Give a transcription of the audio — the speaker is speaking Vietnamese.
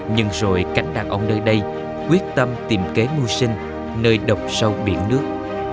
nhưng rồi cánh đàn ông nơi đây quyết tâm tìm kế mưu sinh nơi độc sâu biển nước